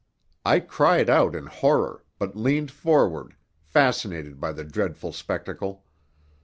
I cried out in horror, but leaned forward, fascinated by the dreadful spectacle.